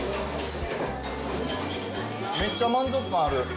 めっちゃ満足感ある。